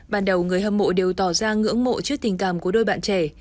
ban đầu người hâm mộ đều tỏ ra ngưỡng mộ trước tình cảm của đôi bạn trẻ